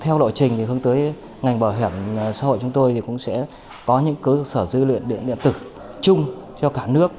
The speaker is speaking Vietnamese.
theo lộ trình thì hướng tới ngành bảo hiểm xã hội chúng tôi cũng sẽ có những cơ sở dữ liệu điện điện tử chung cho cả nước